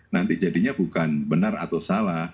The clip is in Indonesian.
nanti jadinya bukan benar atau salah